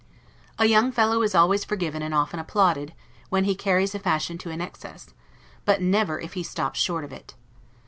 A young fellow is always forgiven and often applauded, when he carries a fashion to an excess; but never if he stops short of it.